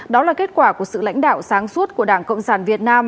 đó là kết quả của sự lãnh đạo sáng suốt của đảng cộng sản việt nam